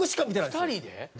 ２人で？